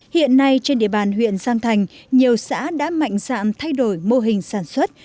hiện nay trên địa bàn huyện giang thành nhiều xã đã mạnh dạn thay đổi mô hình sản xuất